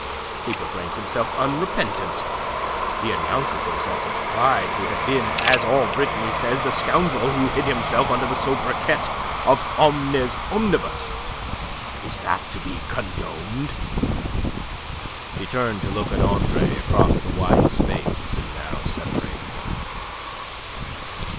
He proclaims himself unrepentant. He announces himself with pride to have been, as all Brittany says, the scoundrel who hid himself under the sobriquet of Omnes Omnibus. Is that to be condoned?" She turned to look at Andre across the wide space that now separated them.